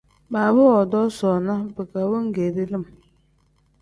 Baaba woodoo soona bika wengeeri lim.